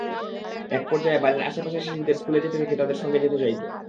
একপর্যায়ে বাড়ির আশপাশের শিশুদের স্কুলে যেতে দেখে তাদের সঙ্গে যেতে চাইত।